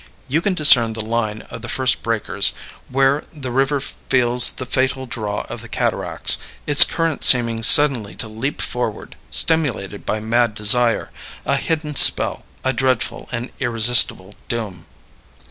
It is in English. You can discern the line of the first breakers, where the river feels the fatal draw of the cataracts, its current seeming suddenly to leap forward, stimulated by mad desire, a hidden spell, a dreadful and irresistible doom.